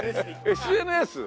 ＳＮＳ？